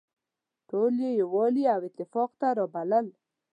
ټول يې يووالي او اتفاق ته رابلل.